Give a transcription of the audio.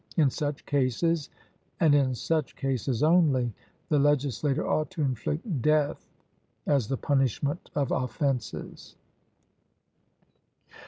In such cases, and in such cases only, the legislator ought to inflict death as the punishment of offences.